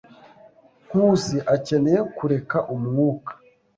Nkusi akeneye kureka umwuka.